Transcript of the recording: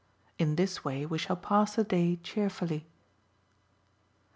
In this way we shall pass the day cheerfully."